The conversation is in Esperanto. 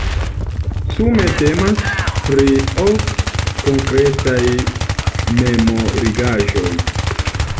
Sume temas pri ok konkretaj memorigaĵoj.